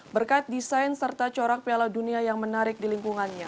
berkat desain serta corak piala dunia yang menarik di lingkungannya